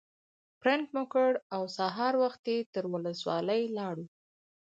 پرنټ مو کړ او سهار وختي تر ولسوالۍ لاړو.